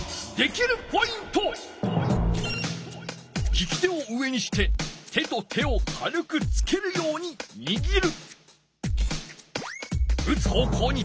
きき手を上にして手と手を軽くつけるようににぎる。